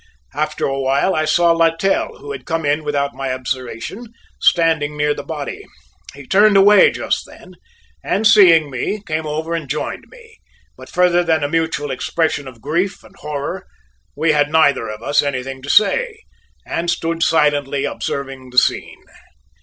After a while, I saw Littell, who had come in without my observation, standing near the body. He turned away just then, and seeing me, came over and joined me, but further than a mutual expression of grief and horror, we had neither of us anything to say, and stood silently observing the scene.